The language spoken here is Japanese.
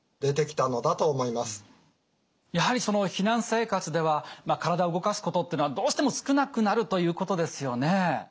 やはりその避難生活では体を動かすことっていうのはどうしても少なくなるということですよね。